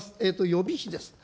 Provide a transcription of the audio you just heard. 予備費です。